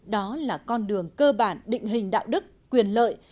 đó là con đường cơ bản định hình đạo đức quyền lợi